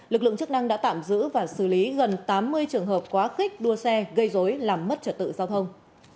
lực lượng chức năng đã tạm giữ và xử lý gần tám mươi trường hợp quá khích đua xe gây dối làm mất trật tự giao thông